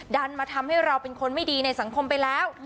ดันมาทำให้เราเป็นคนไม่ดีในสังคมไปแล้ว